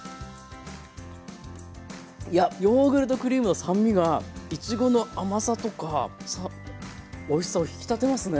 いやヨーグルトクリームの酸味がいちごの甘さとかおいしさを引き立てますね